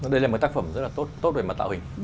đây là một tác phẩm rất là tốt về mặt tạo hình